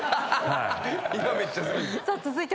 はい。